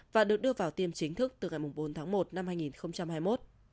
và được đưa vào tiêm chính thức từ ngày bốn tháng một năm hai nghìn hai mươi một